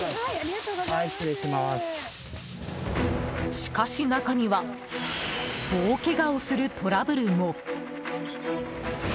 しかし、中には大けがをするトラブルも。